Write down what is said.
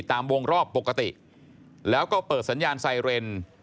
ตามวงรอบปกติแล้วก็เปิดสัญญาณไซเรน